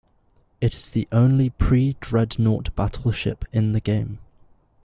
It is the only pre-Dreadnought battleship in the game.